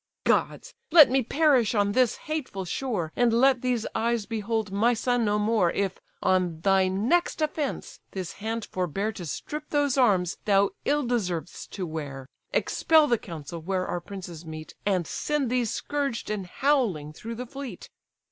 Gods! let me perish on this hateful shore, And let these eyes behold my son no more; If, on thy next offence, this hand forbear To strip those arms thou ill deserv'st to wear, Expel the council where our princes meet, And send thee scourged and howling through the fleet."